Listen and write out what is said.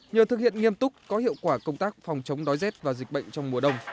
nhờ thực hiện nghiêm túc có hiệu quả công tác phòng chống đói rét và dịch bệnh trong mùa đông